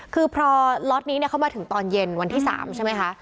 คือพอล็อตนี้เข้ามาถึงตอนเย็นวันที่๓ใช่ไหมคะ